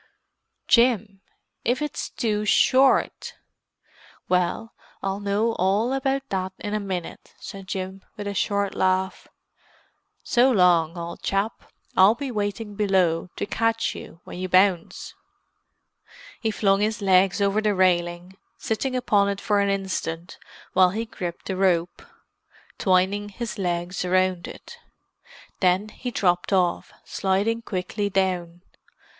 "Jim—if it's too short!" "Well, I'll know all about that in a minute," said Jim with a short laugh. "So long, old chap: I'll be waiting below, to catch you when you bounce!" He flung his legs over the railing, sitting upon it for an instant while he gripped the rope, twining his legs round it. Then he dropped off, sliding quickly down.